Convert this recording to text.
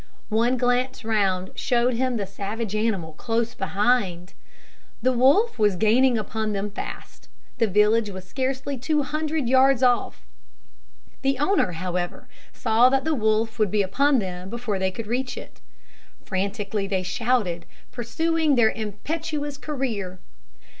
One glance round showed him the savage animal close behind. The wolf was gaining upon them fast. The village was scarcely two hundred yards off! The owner, however, saw that the wolf would be upon them before they could reach it. Frantically they shouted, pursuing their impetuous career.